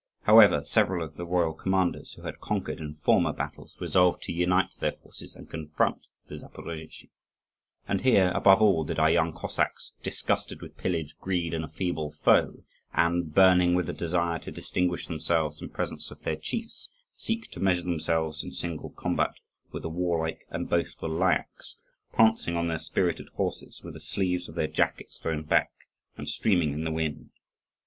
However, several of the royal commanders, who had conquered in former battles, resolved to unite their forces and confront the Zaporozhtzi. And here, above all, did our young Cossacks, disgusted with pillage, greed, and a feeble foe, and burning with the desire to distinguish themselves in presence of their chiefs, seek to measure themselves in single combat with the warlike and boastful Lyakhs, prancing on their spirited horses, with the sleeves of their jackets thrown back and streaming in the wind.